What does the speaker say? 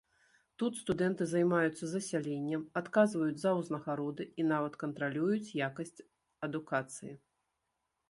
Тут студэнты займаюцца засяленнем, адказваюць за ўзнагароды і нават кантралююць якасць адукацыі.